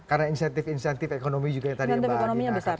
karena insentif insentif ekonomi juga yang tadi mbak adina